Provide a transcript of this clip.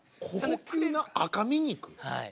はい。